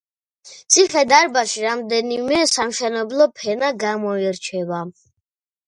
ციხე-დარბაზში რამდენიმე სამშენებლო ფენა გამოირჩევა.